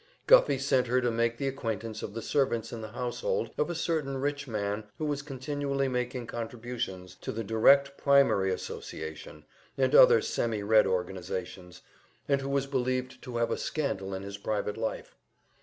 Guffey sent her to make the acquaintance of the servants in the household of a certain rich man who was continually making contributions to the Direct Primary Association and other semi Red organizations, and who was believed to have a scandal in his private life.